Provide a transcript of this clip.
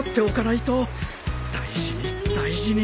大事に大事に